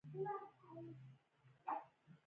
دې کوچنۍ سوفیا هېڅ ګناه نه درلوده